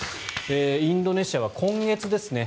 インドネシアは今月ですね